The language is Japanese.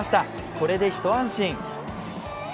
これで一安心。